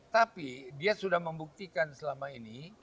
tapi dia sudah membuktikan selama ini